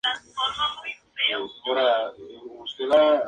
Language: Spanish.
El resto de la historia no se cuenta.